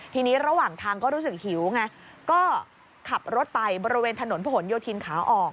ทีนี้ระหว่างทางก็รู้สึกหิวไงก็ขับรถไปบริเวณถนนผนโยธินขาออก